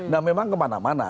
nah memang kemana mana